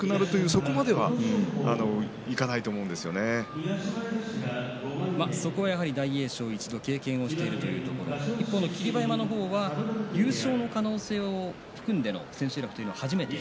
そこまではそこは大栄翔、一度経験をしているというところで一方の霧馬山は優勝の可能性を含んでの千秋楽というのは初めて。